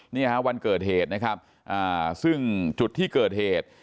เนี่ยฮะวันเกิดเหตุนะครับซึ่งจุดที่เกิดเหตุ